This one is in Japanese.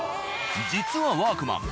実は「ワークマン」